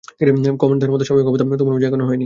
Command দেয়ার মত স্বাভাবিক অবস্থা তোমার মাঝে এখনও হয়নি।